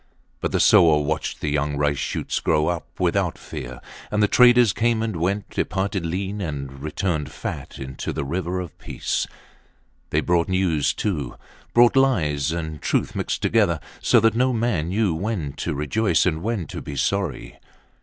But the sower watched the young rice shoots grow up without fear, and the traders came and went, departed lean and returned fat into the river of peace. They brought news, too. Brought lies and truth mixed together, so that no man knew when to rejoice and when to be sorry.